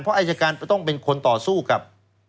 เพราะอายการต้องเป็นคนต่อสู้กับ